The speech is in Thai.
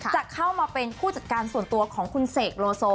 จะเข้ามาเป็นผู้จัดการส่วนตัวของคุณเสกโลโซ